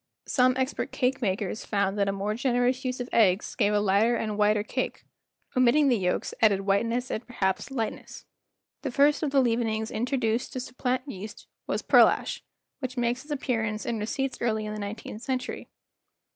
Some expert cake makers 6 The Making of BISCUITS found that a more generous use of eggs gave a lighter and whiter cake; omitting the yolks added whiteness and perhaps lightness. The first of the leavenings introduced to supplant yeast was pearl ash, which makes its appearance in receipts early in the nineteenth century.